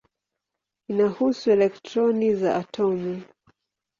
Inahusu elektroni za atomu.